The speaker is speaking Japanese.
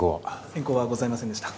変更はございませんでした。